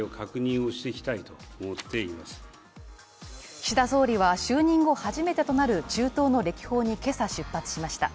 岸田総理は就任後初めてとなる中東の歴訪に今朝出発しました。